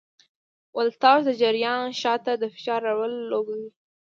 ولتاژ د جریان شاته د فشار رول لوبوي.